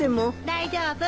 大丈夫。